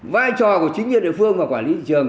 vai trò của chính quyền địa phương và quản lý thị trường